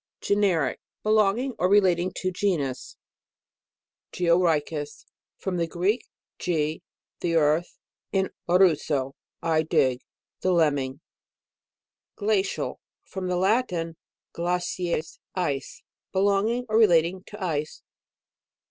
GENERIC. Belonging or relating to genus. GEORY^HUS. From the Greek, ge, the earth, and orusso, I dig. The Lem ming. (See page 84.) GLACIAL. From the Lati i, glades, ice. Belonging or relating to ice.